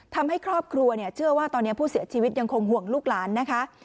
ทำให้ครอบครัวเชื่อว่าตอนนี้ผู้เสียชีวิตยังคงห่วงลูกหลานนะคะ